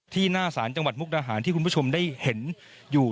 หน้าศาลจังหวัดมุกดาหารที่คุณผู้ชมได้เห็นอยู่